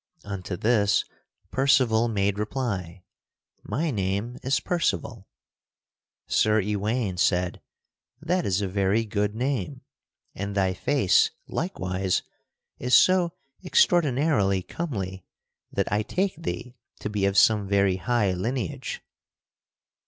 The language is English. Unto this Percival made reply: "My name is Percival." Sir Ewaine said: "That is a very good name, and thy face likewise is so extraordinarily comely that I take thee to be of some very high lineage.